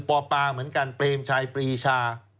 ปปเหมือนกันเปรมชัยปรีชา